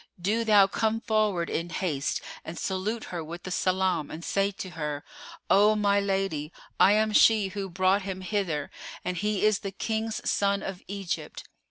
do thou come forward in haste and salute her with the salam and say to her:—O my lady, I am she who brought him hither and he is the King's son of Egypt."